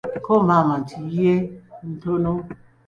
Ko maama nti, yeee ,ntono.